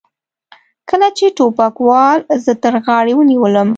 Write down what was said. کله چې ټوپکوال زه تر غاړې ونیولم.